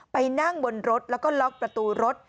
ไปนั่งบนรถแล้วก็ล็อกประตูรถ